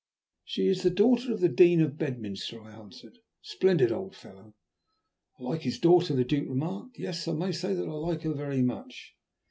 "She is the daughter of the Dean of Bedminster," I answered; "a splendid old fellow." "I like his daughter," the Duke remarked. "Yes, I must say that I like her very much."